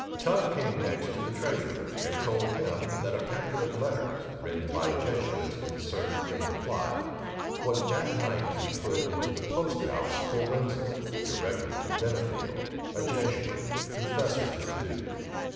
Tongue came next to the treasurer, and told him, that a packet of letters, written by Jesuits concerned in the plot, was that night to be put into the post house for Windsor, directed to Bennifield, a Jesuit, confessor to the duke.